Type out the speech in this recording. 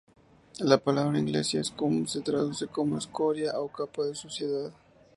La palabra inglesa ""scum"" se traduce como "escoria" o capa de suciedad.